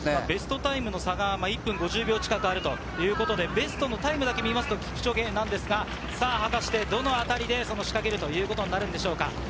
ベストタイムを差が１分５０秒近くあるということでベストのタイムだけを見るとキプチョゲなんですが、果たしてどの辺りで仕掛けるということになるんでしょうか。